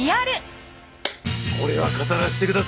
これは語らせてください。